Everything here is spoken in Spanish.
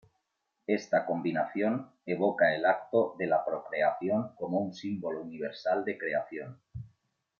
Esta combinación evoca el acto de la procreación como un símbolo universal de creación.